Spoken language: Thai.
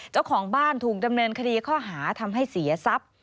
เจ้าของบ้านถูกดำเนินคดีข้อหาทำให้เสียทรัพย์